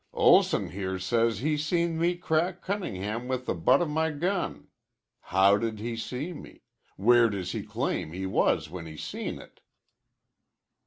"Olson here says he seen me crack Cunningham with the butt of my gun. How did he see me? Where does he claim he was when he seen it?"